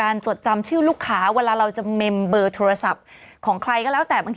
เราจะมาฝังครั้งหนึ่ง